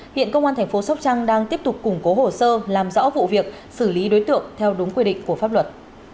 hiện công an thành phố sóc trăng đang tiếp tục củng cố hồ sơ làm rõ vụ việc xử lý đối tượng theo đúng quy định của pháp luật